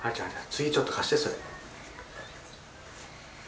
次ちょっと貸してそれ。